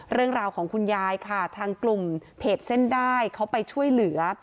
เรื่องราวของคุณยายค่ะทางกลุ่มเพจเส้นได้เขาไปช่วยเหลือ